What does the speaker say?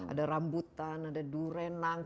ada rambutan ada durenang